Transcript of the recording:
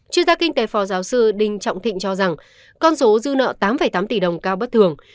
chuyên gia kinh tế phó giáo sư đinh trọng thịnh cho rằng con số dư nợ tám tám tỷ đồng cao bất thường